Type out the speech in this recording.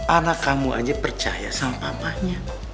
anak kamu aja percaya sama mamanya